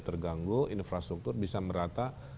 terganggu infrastruktur bisa merata